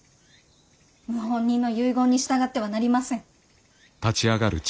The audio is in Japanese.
謀反人の遺言に従ってはなりません。